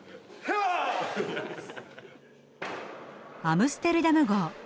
アムステルダム号。